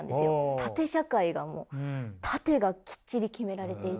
縦社会がもう縦がきっちり決められていて。